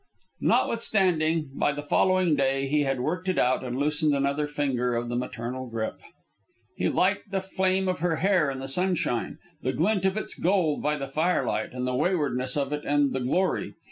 Notwithstanding, by the following day he had worked it out and loosened another finger of the maternal grip. He liked the flame of her hair in the sunshine, the glint of its gold by the firelight, and the waywardness of it and the glory.